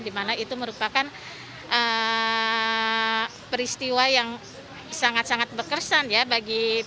dimana itu merupakan peristiwa yang sangat sangat berkesan ya bagi